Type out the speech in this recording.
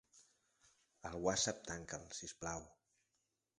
El Whatsapp tanca'l, si us plau.